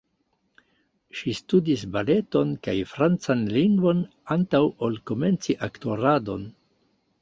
Ŝi studis baleton kaj francan lingvon antaŭ ol komenci aktoradon.